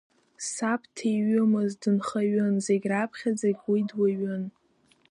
Саб дҭиҩымызт, дынхаҩын, зегь раԥхьаӡагь уи дуаҩын.